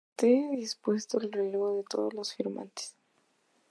Éste dispuso el relevo de todos los firmantes.